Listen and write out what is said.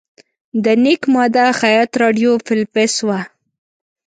د نیک ماد خیاط راډیو فلپس وه.